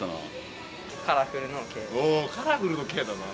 おカラフルの「Ｋ」だな。